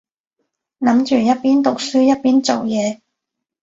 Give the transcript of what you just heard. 諗住一邊讀書一邊做嘢